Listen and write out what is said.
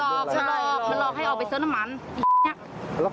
กลับไปลองกลับ